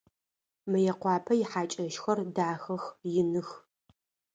Мыекъуапэ ихьакӏэщхэр дахэх, иных.